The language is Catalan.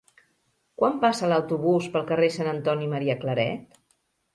Quan passa l'autobús pel carrer Sant Antoni Maria Claret?